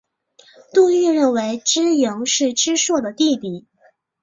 杜预认为知盈是知朔的弟弟。